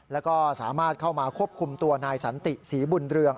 แล้วก็สามารถเข้ามาควบคุมตัวนายสันติศรีบุญเรือง